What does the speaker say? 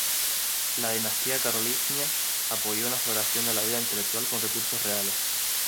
La dinastía carolingia apoyó una floración de la vida intelectual con recursos reales.